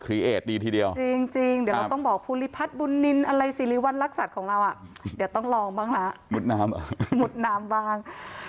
เอสดีทีเดียวจริงเดี๋ยวเราต้องบอกภูริพัฒน์บุญนินอะไรสิริวัณรักษัตริย์ของเราอ่ะเดี๋ยวต้องลองบ้างละมุดน้ำมุดน้ำบ้าง